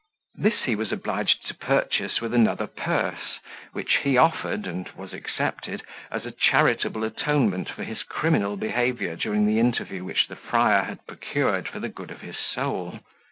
This he was obliged to purchase with another purse, which he offered, and was accepted, as a charitable atonement for his criminal behaviour during the interview which the friar had procured for the good of his soul.